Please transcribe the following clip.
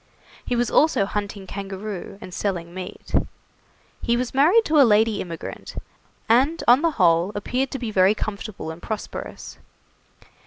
He was also hunting kangaroo and selling meat. He was married to a lady immigrant, and on the whole appeared to be very comfortable and prosperous.